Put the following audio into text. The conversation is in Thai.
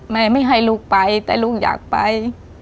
ไม่ให้ลูกไปแต่ลูกอยากไป